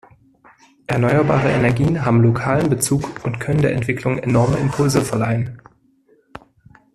Erneuerbare Energien haben lokalen Bezug und können der Entwicklung enorme Impulse verleihen.